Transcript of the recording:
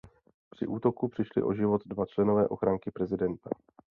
Při útoku přišli o život dva členové ochranky prezidenta.